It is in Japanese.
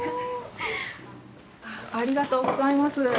ありがとうございます。